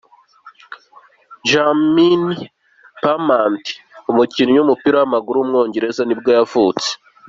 Jermaine Pennant, umukinnyi w’umupira w’amaguru w’umwongereza nibwo yavutse.